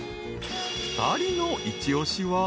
［２人の一押しは］